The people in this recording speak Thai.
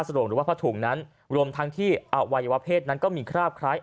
โรงหรือว่าผ้าถุงนั้นรวมทั้งที่อวัยวะเพศนั้นก็มีคราบคล้าย